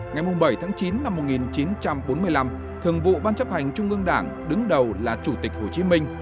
ngày bảy tháng chín năm một nghìn chín trăm bốn mươi năm thường vụ ban chấp hành trung ương đảng đứng đầu là chủ tịch hồ chí minh